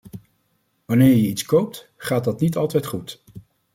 Wanneer je iets koopt, gaat dat niet altijd goed.